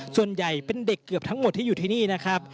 ส่วนใหญ่เป็นเด็กเกือบทั้งหมดที่อยู่ที่นี่นะครับ